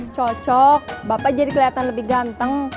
cocok bapak jadi kelihatan lebih ganteng